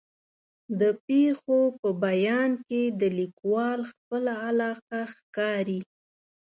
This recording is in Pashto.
د پېښو په بیان کې د لیکوال خپله علاقه ښکاري.